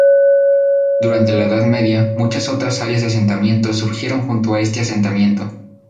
Durante la Edad Media, muchas otras áreas de asentamiento surgieron junto a este asentamiento.